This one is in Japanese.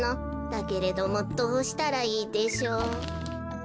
だけれどもどうしたらいいでしょう」。